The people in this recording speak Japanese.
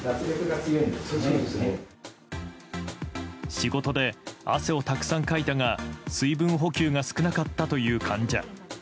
仕事で汗をたくさんかいたが水分補給が少なかったという患者。